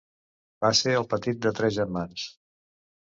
Va ser el petit de tres germans.